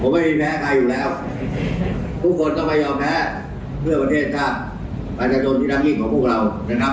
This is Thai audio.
ผมไม่มีแพ้ใครอยู่แล้ว